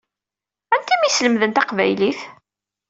Anta i m-yeslemden taqbaylit?